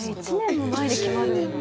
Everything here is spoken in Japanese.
１年も前に決まるんだ。